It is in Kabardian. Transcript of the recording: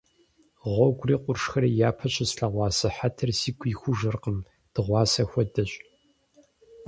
Гъуэгури къуршхэри япэ щыслъэгъуа сыхьэтыр сигу ихужыркъым – дыгъуасэ хуэдэщ.